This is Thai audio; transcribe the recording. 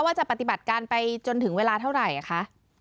ว่าจะปฏิบัติการไปจนถึงเวลาเท่าไหร่คะ